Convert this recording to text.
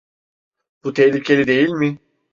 Bu tehlikeli değil mi?